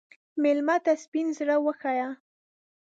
مېلمه ته سپین زړه وښیه.